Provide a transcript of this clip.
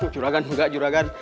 juragan enggak juragan